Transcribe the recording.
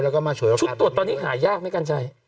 ชุดตรวจตอนนี้หายากไหมกันชัย